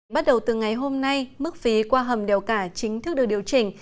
bắt đầu từ ngày hôm nay mức phí qua hầm đèo cả chính thức được điều chỉnh